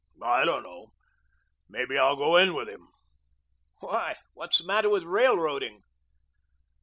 I don't know; may be I'll go in with him." "Why, what's the matter with railroading?"